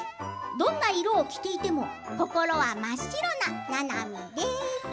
どんな色を着ていても心は真っ白な、ななみでーす！